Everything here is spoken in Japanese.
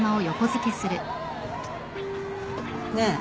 ねえ。